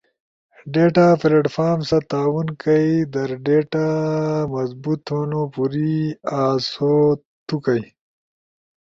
ڈیتا پلیٹ فارم ست تعاون کئی در ڈیٹا مضبوط تھونو پوری آسو تو کئی